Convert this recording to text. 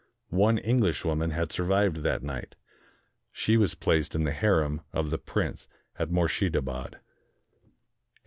One Englishwoman had survived that night. She was placed in the harem of the Prince at Moorshedabad.